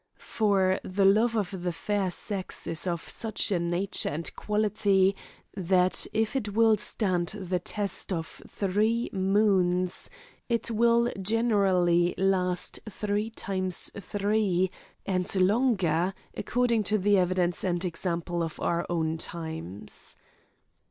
For the love of the fair sex is of such a nature and quality, that if it will stand the test of three moons, it will generally last three times three, and longer, according to the evidence and example of our own times.